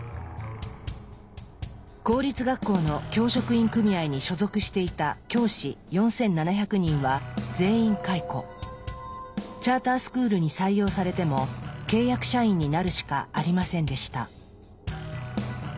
公立学校の教職員組合に所属していた教師チャータースクールに採用されても契約社員になるしかありませんでした。